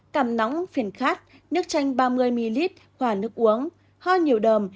cảm nóng phiền khát nước chanh ba mươi ml quả nước uống ho nhiều đờm